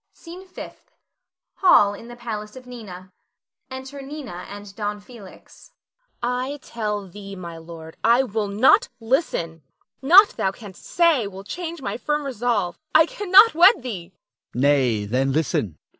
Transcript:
SCENE FIFTH. [Hall in the palace of Nina. Enter Nina and Don Felix.] Nina. I tell thee, my lord, I will not listen, naught thou canst say will change my firm resolve. I cannot wed thee. Don Felix. Nay, then listen.